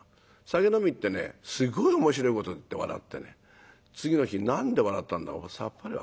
酒飲みってねすごい面白いことで笑ってね次の日何で笑ったんだろうかさっぱり分からない。